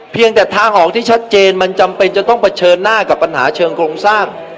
เพียงแต่ทางออกที่ชัดเจนมันจำเป็นจะต้องเผชิญหน้ากับปัญหาเชิงโครงสร้าง